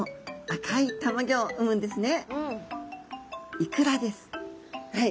イクラですはい。